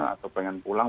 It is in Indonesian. atau pengen pulang